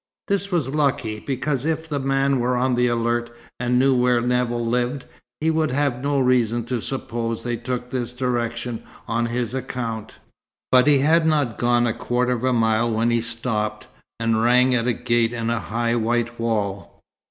This was lucky, because, if the man were on the alert, and knew where Nevill lived, he would have no reason to suppose they took this direction on his account. But he had not gone a quarter of a mile when he stopped, and rang at a gate in a high white wall.